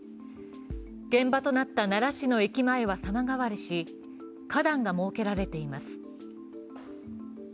現場となった奈良市の駅前は様変わりし花壇が設けられています。